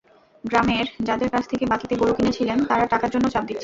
গ্রামের যাদের কাছ থেকে বাকিতে গরু কিনেছিলেন, তারা টাকার জন্য চাপ দিচ্ছে।